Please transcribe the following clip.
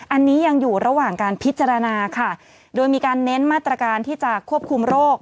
อันนี้ยังอยู่ระหว่างการพิจารณาค่ะโดยมีการเน้นมาตรการที่จะควบคุมโรค